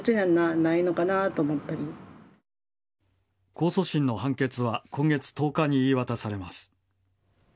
控訴審の判決は今月１０日に言い渡されます。